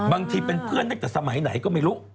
อันนี้เป็นเพื่อนจากสมัยไหนก็ไม่รู้